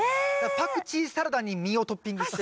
パクチーサラダに実をトッピングして。